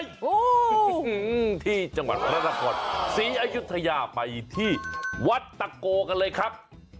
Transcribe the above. ที่จังหวัดพระนครศรีอยุธยาไปที่วัดตะโกกันเลยครับ